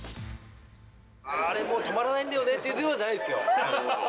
あれもう止まらないんだよねっていうのではないんですよ。